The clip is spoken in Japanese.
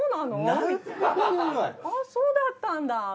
あぁそうだったんだ。